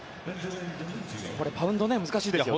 バウンド、難しいですね。